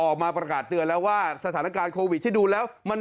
ออกมาประกาศเตือนแล้วว่าสถานการณ์โควิดที่ดูแล้วมัน